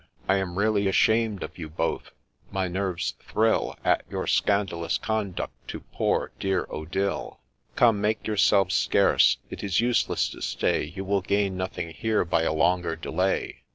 — I am really ashamed of you both ;— my nerves thrill At your scandalous conduct to poor, dear Odille 1 * Come, make yourselves scarce !— it is useless to stay. You will gain nothing here by a longer delay.